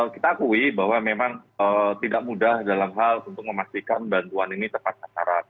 kita akui bahwa memang tidak mudah dalam hal untuk memastikan bantuan ini tepat sasaran